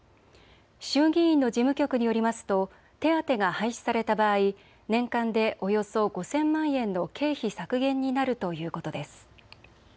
衆議院の事務局によりますと手当が廃止された場合、年間でおよそ５０００万円の経費削減になるということです。